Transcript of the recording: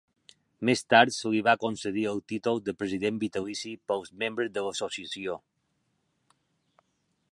Més tard se li va concedir el títol de President vitalici pels membres de l'associació.